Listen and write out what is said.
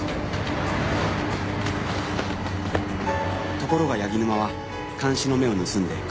ところが柳沼は監視の目を盗んで車で逃走。